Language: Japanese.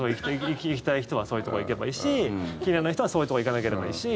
行きたい人はそういうところ行けばいいし嫌いな人はそういうところ行かなければいいし。